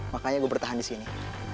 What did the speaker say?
makanya gue bertahan di sini